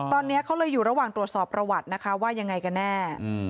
ตอนนี้เขาเลยอยู่ระหว่างตรวจสอบประวัตินะคะว่ายังไงกันแน่